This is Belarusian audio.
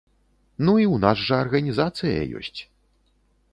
Ну, і ў нас жа арганізацыя ёсць.